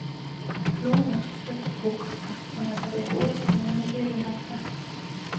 Loom otsustati hukata, kuna ta võib uuesti inimesi rünnata.